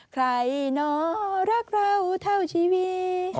ใครเนาะรักเราเท่าชีวิต